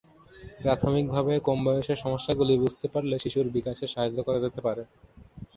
প্রাথমিক ভাবে কম বয়সে সমস্যাগুলি বুঝতে পারলে শিশুর বিকাশে সাহায্য করা যেতে পারে।